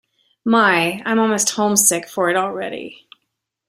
My, I'm almost homesick for it already.